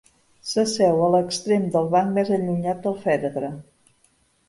S'asseu a l'extrem del banc més allunyat del fèretre.